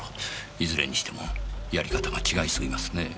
いずれにしてもやり方が違いすぎますね。